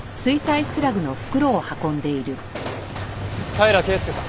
平良圭介さん。